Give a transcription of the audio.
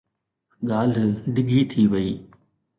ڳالهه ڊگهي ٿي وئي.